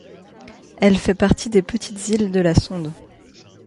Elle fait partie des Petites îles de la Sonde.